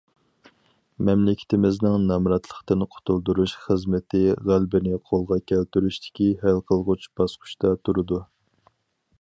مەملىكىتىمىزنىڭ نامراتلىقتىن قۇتۇلدۇرۇش خىزمىتى غەلىبىنى قولغا كەلتۈرۈشتىكى ھەل قىلغۇچ باسقۇچتا تۇرىدۇ.